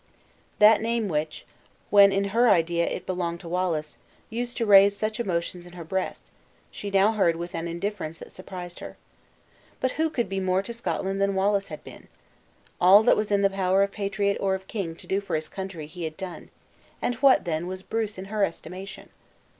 That name which, when in her idea it belonged to Wallace, used to raise such emotions in her breast, she now heard with an indifference that surprised her. But who could be more to Scotland than Wallace had been? All that was in the power of patriot or of king to do for his country, he had done; and what then was Bruce in her estimation?